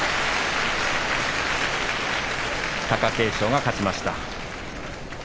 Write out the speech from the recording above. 貴景勝が勝ちました。